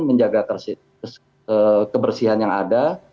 menjaga kebersihan yang ada